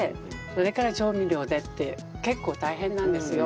それから調味料でって結構大変なんですよ。